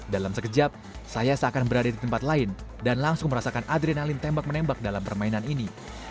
dalam sekejap saya seakan berada di tempat lain dan langsung merasakan adrenalin tembak menembak dalam permainan ini